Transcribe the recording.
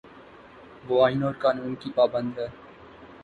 وہ آئین اور قانون کی پابند ہے۔